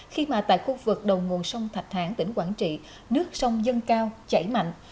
khi mà tại khu vực đầu nguồn sông thạch hãn tỉnh quảng trị nước sông dân cao chảy mạnh